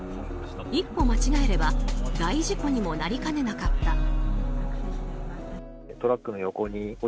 一歩間違えれば大事故にもなりかねなかった。